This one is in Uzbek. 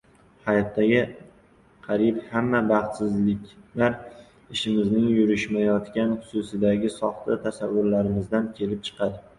Hayotdagi qariyb hamma baxtsizliklar ishimizning yurishmayotgani xususidagi soxta tasavvurlarimizdan kelib chiqadi.